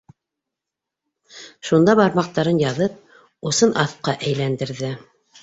Шунда бармаҡтарын яҙып, усын аҫҡа әйләндерҙе.